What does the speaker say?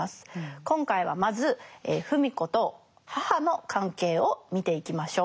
今回はまず芙美子と母の関係を見ていきましょう。